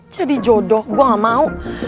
jadi jodoh gue gak mau